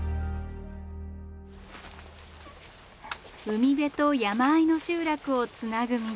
海辺と山あいの集落をつなぐ道。